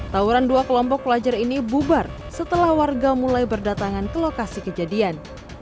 tawuran dua kelompok pelajar ini bubar setelah warga mulai berdatangan ke lokasi kejadian